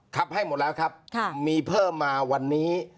ให้หมดแล้วครับมีเพิ่มมาวันนี้